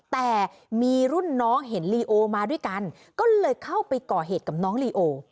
แต่มีรุ่นน้องเห็นลีโอมาด้วยกันก็เลยเข้าไปก่อเหตุกับน้องลีโอ